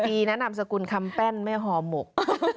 อีแนะนำสกุลคำแป้นไม่หอหมก